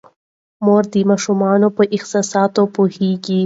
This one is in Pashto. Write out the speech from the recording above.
مور د ماشومانو په احساساتو پوهیږي.